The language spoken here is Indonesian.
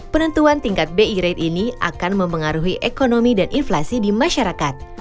penentuan tingkat bi rate ini akan mempengaruhi ekonomi dan inflasi di masyarakat